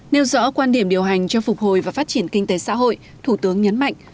nêu rõ quan điểm điều hành cho phục hồi và phát triển kinh tế xã hội thủ tướng nhấn mạnh